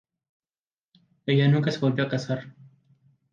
Ella nunca se volvió a casar.